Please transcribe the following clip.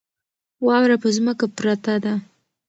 واوره په ځمکه پرته ده.